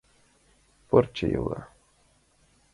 Пырче йога.